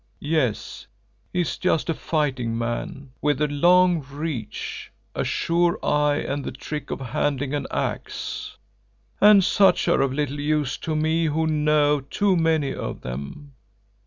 Yes, he is just a fighting man with a long reach, a sure eye and the trick of handling an axe, and such are of little use to me who know too many of them.